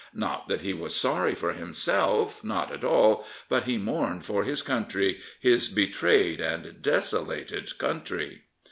Not that he was sorry for himself, not at all ; but he mourned for his country, his betrayed and desolated country.